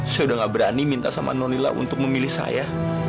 saya udah gak berani minta sama nonila untuk memilih saya